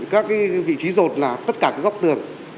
các vị trí rột là tất cả các góc tường